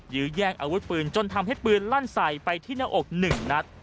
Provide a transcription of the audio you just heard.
ยื้อแย่งอาวุธปืนจนทำให้ปืนลั่นใส่ไปที่หน้าอกหนึ่งนัด